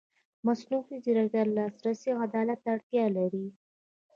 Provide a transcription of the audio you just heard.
مصنوعي ځیرکتیا د لاسرسي عدالت ته اړتیا لري.